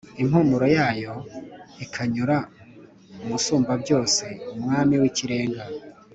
impumuro yayo ikanyura Umusumbabyose, Umwami w’ikirenga.